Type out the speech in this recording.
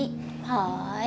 はい。